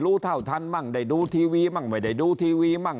รู้เท่าทันบ้างได้ดูทีวีบ้างไม่ได้ดูทีวีบ้าง